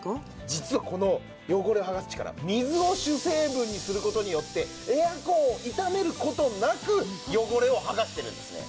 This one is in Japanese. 実はこの汚れを剥がす力水を主成分にする事によってエアコンを傷める事なく汚れを剥がしてるんですね。